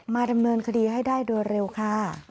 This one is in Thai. ดำเนินคดีให้ได้โดยเร็วค่ะ